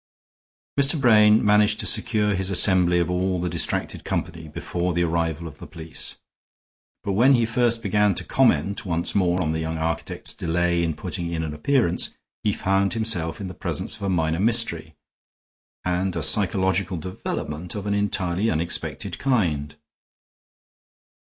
Mr. Brain managed to secure his assembly of all the distracted company before the arrival of the police. But when he first began to comment once more on the young architect's delay in putting in an appearance, he found himself in the presence of a minor mystery, and a psychological development of an entirely unexpected kind.